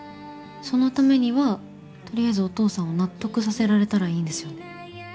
そのためにはとりあえずお父さんを納得させられたらいいんですよね。